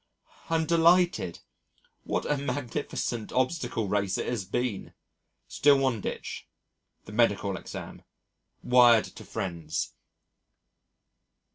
I'm delighted. What a magnificent obstacle race it has been! Still one ditch the medical exam! Wired to friends.